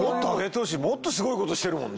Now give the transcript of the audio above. もっとすごいことしてるもんね。